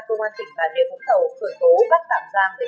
cơ quan tỉnh bản liên hỗng thầu khởi tố bắt tạm